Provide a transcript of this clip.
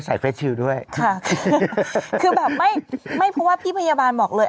เฟสชิลด้วยค่ะคือแบบไม่ไม่เพราะว่าพี่พยาบาลบอกเลย